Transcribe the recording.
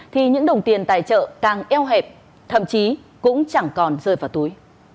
thì những đồng tiền tài trợ càng eo hẹp thậm chí cũng chẳng còn rơi vào túi